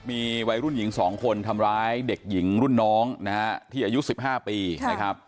มีวัยรุ่นหญิง๒คนทำร้ายเด็กหญิงรุ่นน้องนะฮะที่อายุ๑๕ปีนะครับ